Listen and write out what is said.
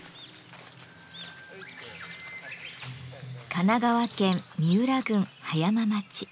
神奈川県三浦郡葉山町。